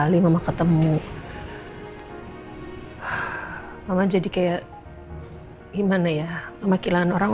saat kita sedih saat kita senang